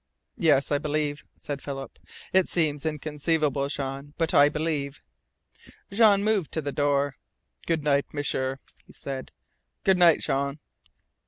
"Yes, I believe," said Philip. "It seems inconceivable, Jean but I believe." Jean moved to the door. "Good night, M'sieur," he said. "Good night, Jean."